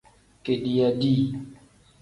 Kediiya dii.